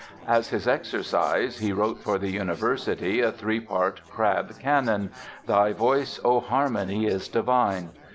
As his "exercise" he wrote for the University a three part crab canon, "Thy Voice, O Harmony is Divine".